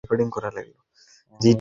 ওহ God আপনি ঠিক আছেন?